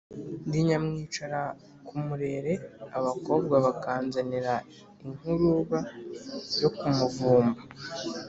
Ndi nyamwicara ku murere abakobwa bakanzanira inkuruba yo ku Muvumba,